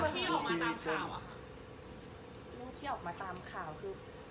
รูปที่ออกมาตามข่าวคือ